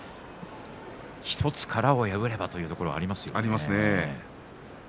１つ殻を破ればというところがありますよね。